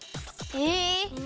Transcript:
えっ？